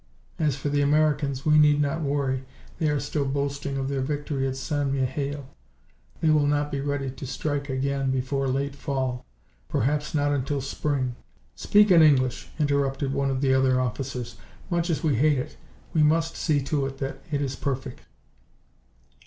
As for the Americans, we need not worry. They are still boasting of their victory at St. Mihiel. They will not be ready to strike again before late Fall perhaps not until Spring. We must " "Speak in English," interrupted one of the other officers. "Much as we hate it, we must see to it that it is perfect."